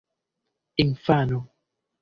infano